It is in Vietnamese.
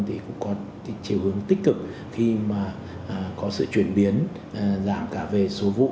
thì cũng có chiều hướng tích cực khi mà có sự chuyển biến giảm cả về số vụ